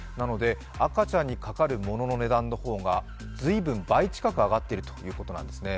赤ちゃんにかかるものの値段の方が倍近く上がっているということなんですね。